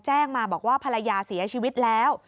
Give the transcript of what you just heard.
แจ้งมาบอกว่าภรรยาเสียชีวิตแล้ว